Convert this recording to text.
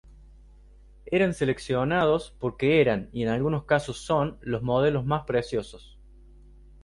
Eran seleccionados porque eran, y en algunos casos son, los modelos más precisos.